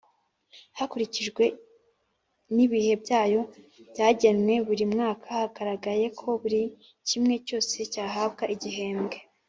hakurikijwe n’ibihe byayo byagenwe buri mwaka hagaragaye ko buri kimwe cyose cyahabwa igihembwe.